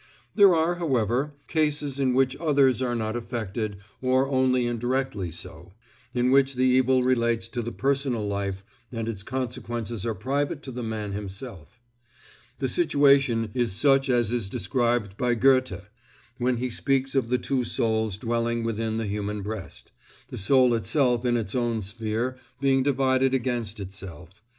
There are, however, cases in which others are not affected, or only indirectly so; in which the evil relates to the personal life and its consequences are private to the man himself. The situation is such as is described by Goethe, when he speaks of the two souls dwelling within the human breast; the soul itself in its own sphere being divided against itself.